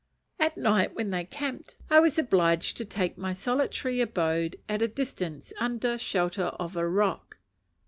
At night when they camped, I was obliged to take my solitary abode at a distance under shelter of a rock.